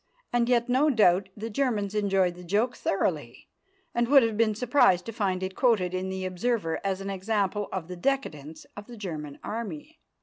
And yet, no doubt, the Germans enjoyed the joke thoroughly, and would have been surprised to find it quoted in the Observer as an example of the decadence of the German Army.